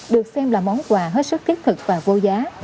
được xem là món quà hết sức thiết thực và vô giá